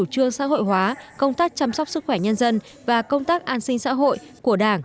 tăng tắc an sinh xã hội của đảng